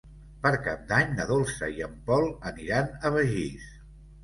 Per Cap d'Any na Dolça i en Pol aniran a Begís.